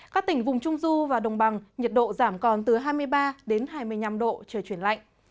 các tỉnh vùng trung du và đồng bằng nhiệt độ giảm còn từ hai mươi ba đến hai mươi năm độ trời chuyển lạnh